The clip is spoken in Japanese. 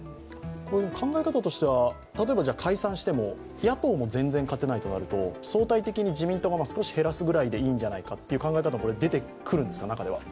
考え方としては例えば解散しても野党も全然勝てないとなると、相対的に自民党が少し減らすぐらいでいいんじゃないかという考え方も出てくるんですか、中には？